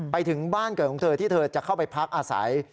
ไปถึงบ้านเกิดของเธอที่เธอจะเข้าไปพักอาศัย